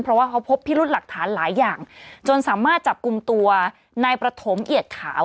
เพราะว่าเขาพบพิรุธหลักฐานหลายอย่างจนสามารถจับกลุ่มตัวนายประถมเอียดขาว